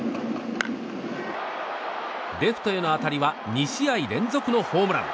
レフトへの当たりは２試合連続のホームラン。